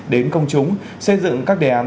đến công chúng xây dựng các đề án